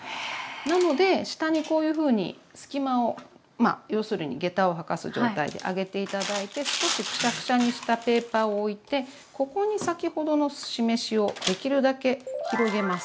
なので下にこういうふうに隙間をまあ要するにげたを履かす状態で上げて頂いて少しクシャクシャにしたペーパーを置いてここに先ほどのすし飯をできるだけ広げます。